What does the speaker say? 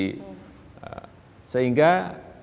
tetapi yang kedua yang ini justru lebih penting adalah